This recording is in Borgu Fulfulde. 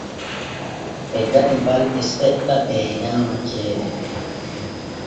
Ɓe gaɗi balɗe seɗɗa ɓee nyaama ceede.